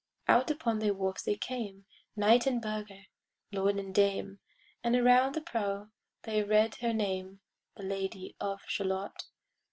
Out upon the wharfs they came, Knight and burgher, lord and dame, And around the prow they read her name, The Lady of Shalott.